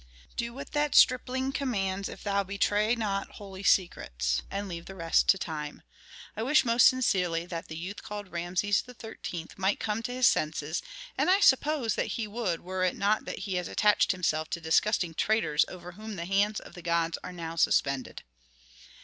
"Do what that stripling commands if thou betray not holy secrets. And leave the rest to time. I wish most sincerely that the youth called Rameses XIII. might come to his senses, and I suppose that he would were it not that he has attached himself to disgusting traitors over whom the hands of the gods are now suspended."